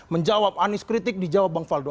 menjawab anies kritik dijawab bang faldo